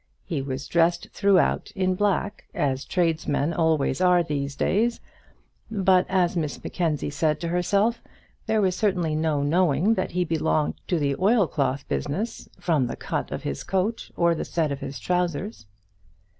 He was dressed throughout in black, as tradesmen always are in these days; but, as Miss Mackenzie said to herself, there was certainly no knowing that he belonged to the oilcloth business from the cut of his coat or the set of his trousers.